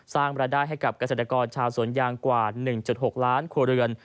สร้างบรรดายให้กับกระเศรษฐกรชาวสวนยางกว่า๑๖ล้านครัวเรือน